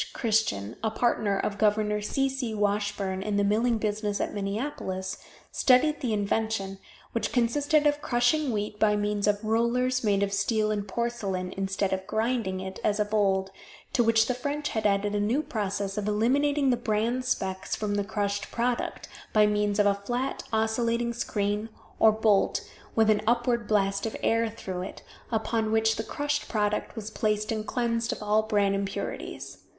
Christian, a partner of Gov. C. C. Washburn in the milling business at Minneapolis, studied the invention, which consisted of crushing the wheat by means of rollers made of steel and porcelain, instead of grinding it, as of old, to which the French had added a new process of eliminating the bran specs from the crushed product, by means of a flat oscillating screen or bolt with an upward blast of air through it, upon which the crushed product was placed and cleansed of all bran impurities.